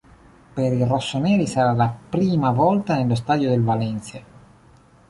Per i rossoneri sarà la prima volta nello stadio del Valencia.